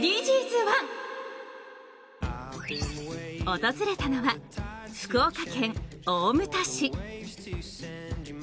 訪れたのは福岡県大牟田市。